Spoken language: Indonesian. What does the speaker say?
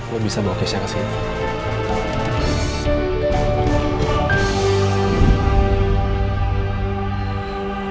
lo bisa bawa kesya kesini